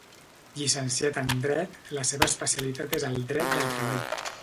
Llicenciat en dret, la seva especialitat és el dret del treball.